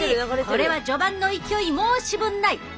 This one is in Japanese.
これは序盤の勢い申し分ない。